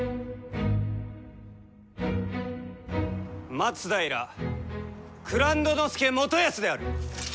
松平蔵人佐元康である！